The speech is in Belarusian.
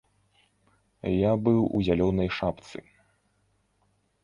Я быў у зялёнай шапцы.